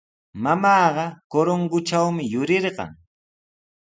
Mamaaqa Corongotrawmi yurirqan.